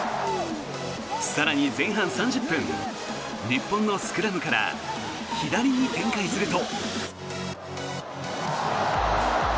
更に、前半３０分日本のスクラムから左に展開すると。